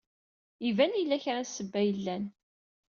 Iban yella kra n ssebba yellan.